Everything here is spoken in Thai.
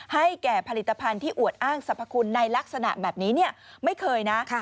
ให้แก่ผลิตภัณฑ์ที่อวดอ้างสรรพคุณในลักษณะแบบนี้ไม่เคยนะ